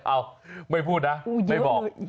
เอ้าไม่พูดนะไม่บอก